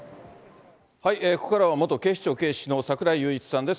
ここからは元警視庁警視の櫻井裕一さんです。